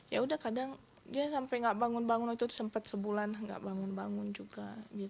ya udah kadang dia sampai nggak bangun bangun itu sempat sebulan nggak bangun bangun juga